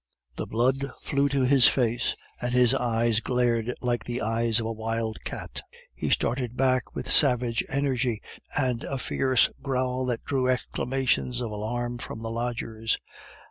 The blood flew to his face, and his eyes glared like the eyes of a wild cat. He started back with savage energy and a fierce growl that drew exclamations of alarm from the lodgers.